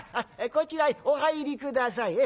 こちらにお入り下さい。